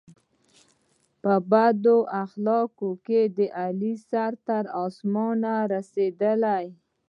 په بد اخلاقی کې د علي سر تر اسمانه رسېدلی دی.